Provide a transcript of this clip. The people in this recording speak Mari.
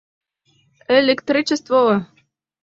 — Электричество!